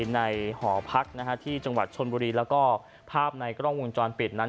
หอพักที่จังหวัดชนบุรีแล้วก็ภาพในกล้องวงจรปิดนั้น